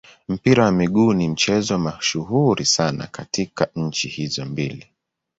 Mpira wa miguu ni mchezo mashuhuri sana katika nchi hizo mbili.